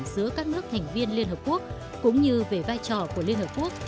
giữa các nước thành viên liên hợp quốc cũng như về vai trò của liên hợp quốc